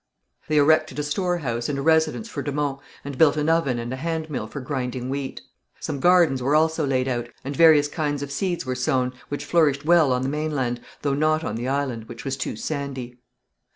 They erected a storehouse and a residence for de Monts, and built an oven and a hand mill for grinding wheat. Some gardens were also laid out, and various kinds of seeds were sown, which flourished well on the mainland, though not on the island, which was too sandy.